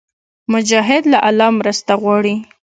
مجاهد له الله مرسته غواړي.